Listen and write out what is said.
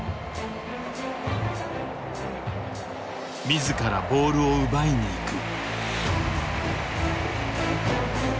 自らボールを奪いにいく。